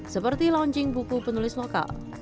seperti launching buku penulis lokal